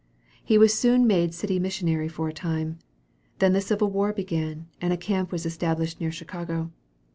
He was soon made city missionary for a time. Then the civil war began, and a camp was established near Chicago.